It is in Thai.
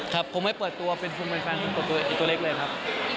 ครับคงไม่เปิดตัวเป็นฟุมเป็นแฟนคงเปิดตัวอีกตัวเล็กเลยครับ